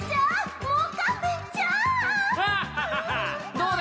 どうだ？